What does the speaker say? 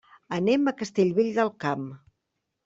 Anem a Castellvell del Camp.